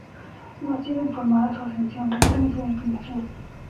No ha sido informada su ascensión recta ni su declinación.